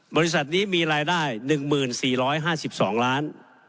บริษัทนี้มีรายได้๑๔๕๒ล้าน